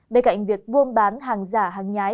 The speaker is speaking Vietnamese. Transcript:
bên cạnh việc buôn bán hàng giả hàng nhái